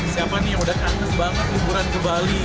siapa nih yang udah kantes banget liburan ke bali